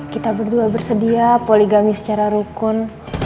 kita berdua bersedia poligami secara rukun